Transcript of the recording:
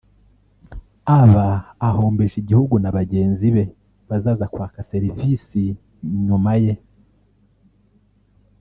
aba ahombeje igihugu na bagenzi be bazaza kwaka serivisi nyuma ye